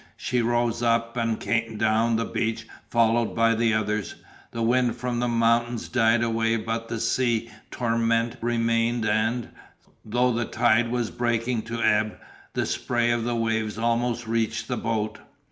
She rose up and came down the beach followed by the others. The wind from the mountains died away but the sea torment remained and, though the tide was beginning to ebb, the spray of the waves almost reached the boat.